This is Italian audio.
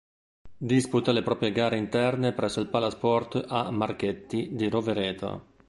Disputa le proprie gare interne presso il Palasport A. Marchetti di Rovereto.